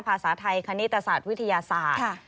ภาษาไทยคณิตศาสตร์วิทยาศาสตร์